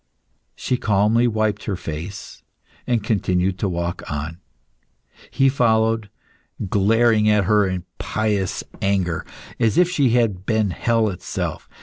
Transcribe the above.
She calmly wiped her face and continued to walk on. He followed, glaring at her in pious anger, as if she had been hell itself.